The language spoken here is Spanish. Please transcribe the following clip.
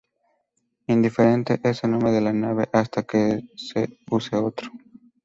Indiferente, es el nombre de la nave hasta que se use otro.